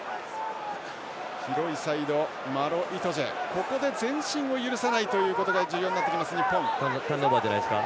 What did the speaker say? ここで前進を許さないということが重要になってきます。